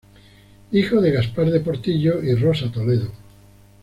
Hijo de Gaspar de Portillo y Rosa Toledo.